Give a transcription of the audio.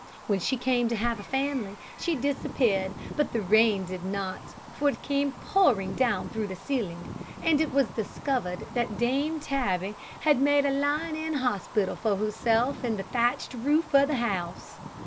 When she came to have a family, she disappeared; but the rain did not, for it came pouring down through the ceiling: and it was discovered that Dame Tabby had made a lying in hospital for herself in the thatched roof of the house.